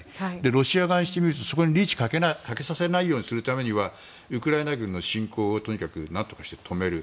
ロシア側にしてみるとそこにリーチをかけさせないようにするためにはウクライナ軍の侵攻を何とかして止める。